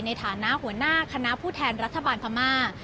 ในฐานะหัวหน้าคณะผู้แทนรัฐบาลพม่า